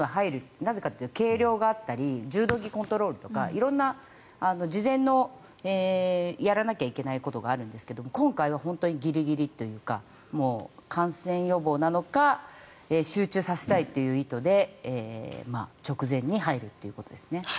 なぜかというと計量があったり柔道着コントロールとか色んな事前のやらなきゃいけないことがあるんですが今回は本当にギリギリというか感染予防なのか集中させたいという意図で直前に入るということですね。